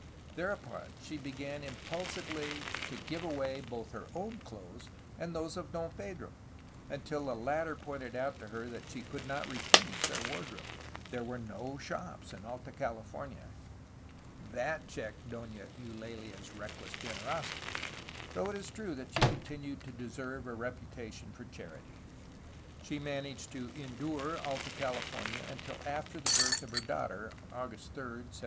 Thereupon she began im pulsively to give away both her own clothes and those of Don Pedro, until the latter pointed out to her that she could not replenish their wardrobe; there were no shops in Alta California. That checked Dona Eulalia's reckless generosity, THE ROMANTIC PERIOD, 1782 1810 399 though it is true that she continued to deserve a reputation for charity. She managed to ^^ endure " Alta California until after the birth of her daughter (August 3, 1784).